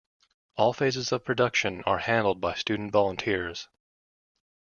All phases of the production are handled by student volunteers.